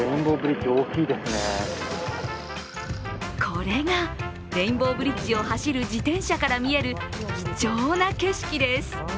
これがレインボーブリッジを走る自転車から見える貴重な景色です。